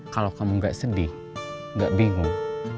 kalau kamu gak sedih gak bingung